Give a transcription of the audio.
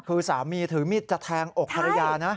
คือสามีถือมีดจะแทงอกภรรยานะ